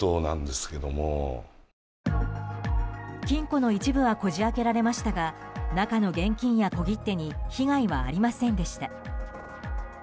金庫の一部はこじ開けられましたが中の現金や小切手に被害はありませんでした。